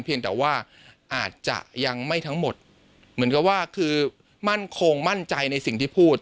เพียงแต่ว่าอาจจะยังไม่ทั้งหมดเหมือนกับว่าคือมั่นคงมั่นใจในสิ่งที่พูด